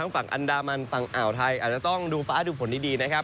ฝั่งอันดามันฝั่งอ่าวไทยอาจจะต้องดูฟ้าดูผลดีนะครับ